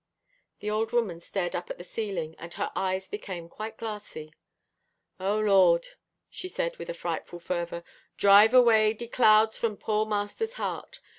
The old woman stared up at the ceiling, and her eyes became quite glassy. "Oh! Lord," she said with a frightful fervour "drive away de clouds from poor Mister's heart.